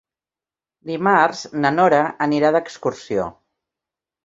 Dimarts na Nora anirà d'excursió.